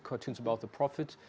kartun tentang nabi